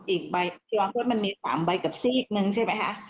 อีกใบพฤษมันมี๓ใบกับซีกหนึ่งใช่ไหมคะ